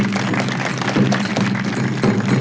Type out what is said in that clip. ไป